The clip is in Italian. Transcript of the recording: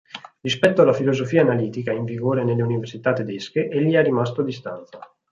Rispetto alla filosofia analitica in vigore nelle università tedesche egli è rimasto a distanza.